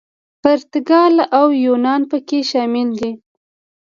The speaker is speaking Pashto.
پرتګال او یونان پکې شامل دي.